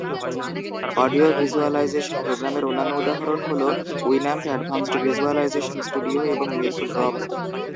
Audio visualisation প্রোগ্রামের অন্যান্য উদাহরণ হল উইন্যাম্প অ্যাডভান্সড ভিজুয়ালাইজেশন স্টুডিও এবং মিল্কড্রপ।